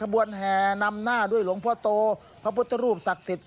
ด้วยหลวงพ่อโตพระพุทธรูปศักดิ์สิทธิ์